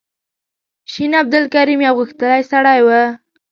شین عبدالکریم یو غښتلی سړی و.